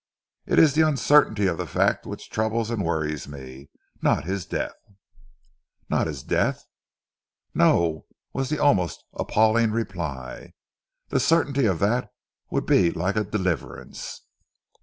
It is the uncertainty of the fact which troubles and worries me, and not his death." "Not his death!" "No!" was the almost appalling reply. "The certainty of that would be like a deliverance."